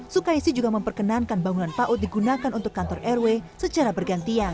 sukaisi juga memperkenankan bangunan paut digunakan untuk kantor rw secara bergantian